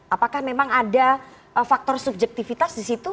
apakah memang ada faktor subjektivitas disitu